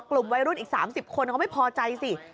กลุ่มวัยรุ่นอีก๓๐คนเขาไม่พอใจสิ